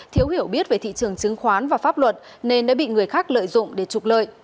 thiếu hiểu biết về thị trường chứng khoán và pháp luật nên đã bị người khác lợi dụng để trục lợi